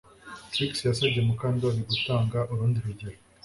Trix yasabye Mukandoli gutanga urundi rugero